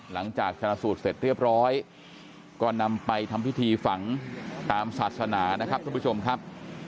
หลังจากชนะสูตรเสร็จเรียบร้อยก็นำไปทำพิธีฝังตามศาสนานะครับทุกผู้ชมครับ